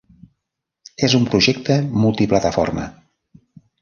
És un projecte multiplataforma.